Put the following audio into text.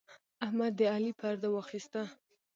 احمد د علي پرده واخيسته.